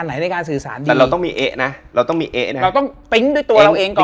น่ากลัว